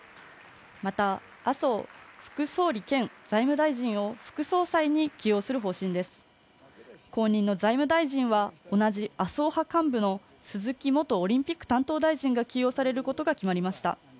また麻生副総理兼財務大臣を副総裁に起用する方針です後任の財務大臣は同じ麻生派幹部の鈴木元オリンピック担当大臣が起用されることが決まりました